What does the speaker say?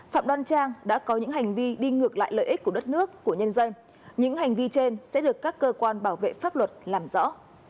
phạm đoan trang đã có những hành vi đi ngược lại lợi ích của đất nước của nhân dân những hành vi trên sẽ được các cơ quan bảo vệ pháp luật làm rõ